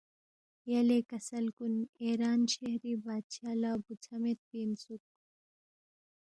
یلے کسل کُن ایران شہری بادشاہ لہ بُوژھا میدپی اِنسُوک